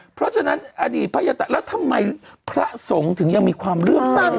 เพราะฉะนั้นอดีตพระอัญตระแล้วทำไมพระสงฆ์ถึงยังมีความเรื่องใสในพระอัญตระ